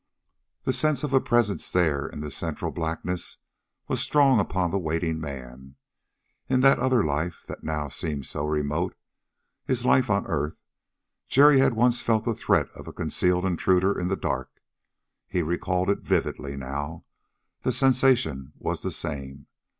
The sense of a presence there in the central blackness was strong upon the waiting man. In that other life that now seemed so remote his life on earth Jerry had once felt the threat of a concealed intruder in the dark. He recalled it vividly now. The sensation was the same.